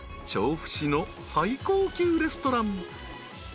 ［調布市の最高級レストラン］